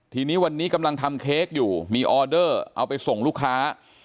ทีนี้วันนี้กำลังทำเค้กอยู่มีออเดอร์เอาไปส่งลูกค้า